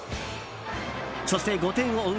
そして５点を追う